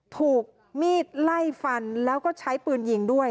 ถูกมีดไล่ฟันแล้วก็ใช้ปืนยิงด้วย